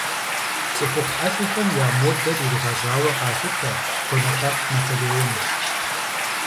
Цӏыхухъу ӏэлъэхэм я модэр иригъэжьэжауэ къалъытэ Бонапарт Наполеон.